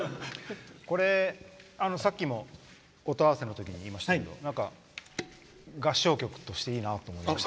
これ、さっきも音合わせのときに言いましたけど合唱曲としていいなと思いました。